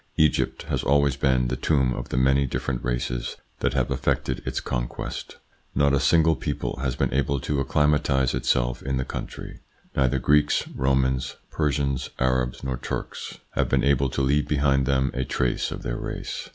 Egypt has always been the tomb of the many different races that have effected its conquest. Not a single people has been able to acclimatise itself in the country. Neither Greeks, Romans, Persians, Arabs, nor Turks have been able to leave behind them a trace of their race.